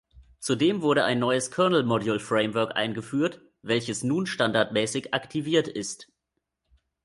Zudem wurde ein neues Kernel Module Framework eingeführt, welches nun standardmäßig aktiviert ist.